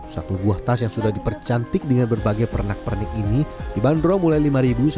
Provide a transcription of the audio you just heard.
satu buah tas yang sudah dipercantik dengan berbagai pernak pernik ini dibanderol mulai lima sampai tiga puluh rupiah saja